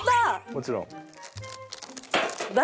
もちろん。